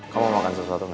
kau mau makan sesuatu gak